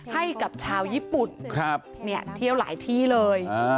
ให้กับชาวญี่ปุ่นเที่ยวหลายที่เลย